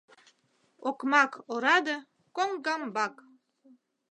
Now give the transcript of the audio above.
Окмак-ораде — коҥгамбак.